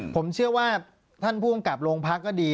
ผมเชื่อว่าท่านผู้กำกับโรงพักก็ดี